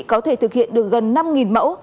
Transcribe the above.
có thể thực hiện được gần năm mẫu